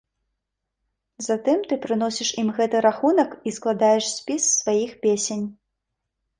Затым ты прыносіш ім гэты рахунак і складаеш спіс сваіх песень.